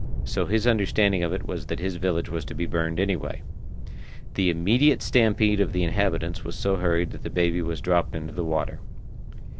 So his understanding of it was that his village was to be burned anyway. The immediate stampede of the inhabitants was so hurried that the baby was dropped into the water.